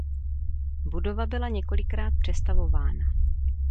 Budova byla několikrát přestavována.